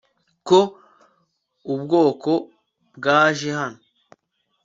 ko ubwoko bwaje hano